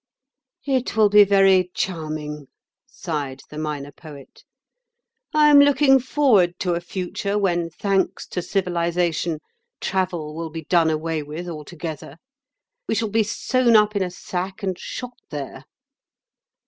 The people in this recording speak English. "It will be very charming," sighed the Minor Poet. "I am looking forward to a future when, thanks to 'civilisation,' travel will be done away with altogether. We shall be sewn up in a sack and shot there.